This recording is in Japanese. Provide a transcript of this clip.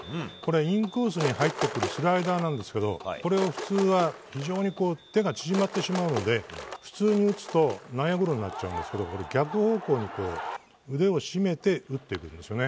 インコースに入ってくるスライダーなんですがこれ、普通は非常に手が縮まってしまうので普通に打つと内野ゴロになっちゃうんですけど逆方向に腕を締めて打っているんですよね。